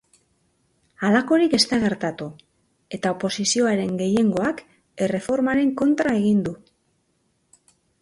Halakorik ez da gertatu, eta oposizioaren gehiengoak erreformaren kontra egin du.